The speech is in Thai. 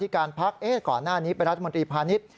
การพักก่อนหน้านี้เป็นรัฐมนตรีพาณิชย์